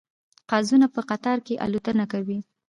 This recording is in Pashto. قازونه په قطار کې الوتنه کوي